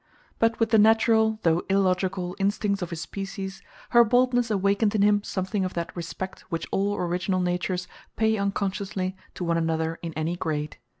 But with the natural, though illogical, instincts of his species, her boldness awakened in him something of that respect which all original natures pay unconsciously to one another in any grade.